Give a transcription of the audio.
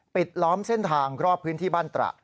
ล้อมเส้นทางรอบพื้นที่บ้านตระ